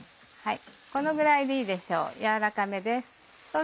このぐらいでいいでしょう